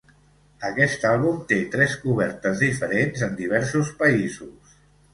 Aquest àlbum té tres cobertes diferents en diversos països.